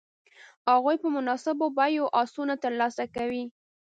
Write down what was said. هغوی په مناسبو بیو آسونه تر لاسه کوي.